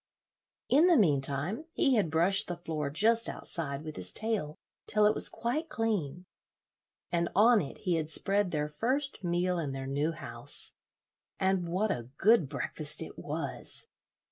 In the mean time he had brushed the floor just outside with his tail till it was quite clean, and on it he had spread their first meal in their new house. And what a good breakfast it was!